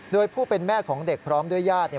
โดยผู้เป็นแม่ของเด็กพร้อมด้วยญาติ